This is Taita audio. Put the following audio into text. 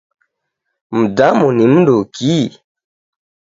Mdamu ni mnduki?